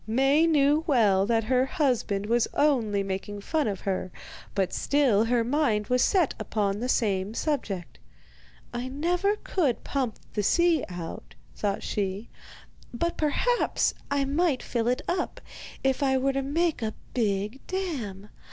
Maie knew well that her husband was only making fun of her, but still her mind was set upon the same subject. 'I never could pump the sea out,' thought she, 'but perhaps I might fill it up, if I were to make a big dam.